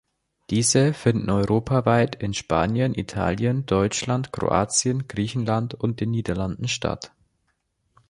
Diese finden europaweit in Spanien, Italien, Deutschland, Kroatien, Griechenland und den Niederlanden statt.